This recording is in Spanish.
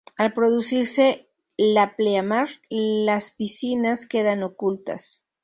Al producirse la pleamar, las piscinas quedan ocultas.